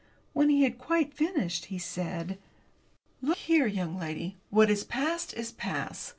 When he had quite finished, he said: "Look here, young lady, what is past is past.